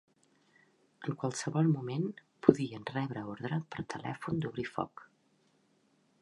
En qualsevol moment podien rebre ordre per telèfon d'obrir foc